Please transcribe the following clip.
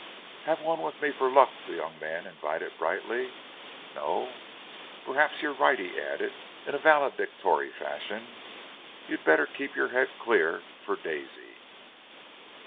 "Have one with me for luck?" the young man invited brightly. "No? Perhaps you're right," he added, in valedictory fashion. "You'd better keep your head clear for Daisy!"